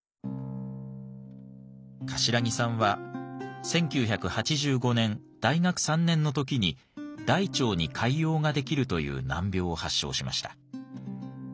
頭木さんは１９８５年大学３年の時に大腸に潰瘍が出来るという難病を発症しました。